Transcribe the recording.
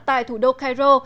tại thủ đô cairo